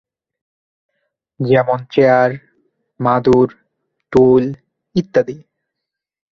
যেমন চেয়ার, মাদুর, টুল ইত্যাদি।